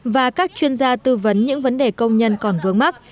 và các chuyên gia tư vấn những vấn đề công nhân còn vướng mắt